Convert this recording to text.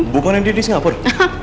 bukan dia di singapura